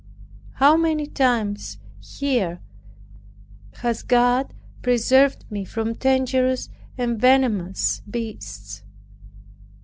How many times, here, has God preserved me from dangerous and venomous beasts!